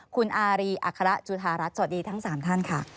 คุณอารีอัคระจุธารัฐสวัสดีทั้ง๓ท่านค่ะ